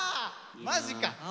マジか。